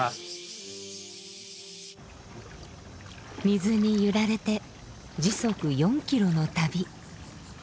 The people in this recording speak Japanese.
水に揺られて時速４キロの旅。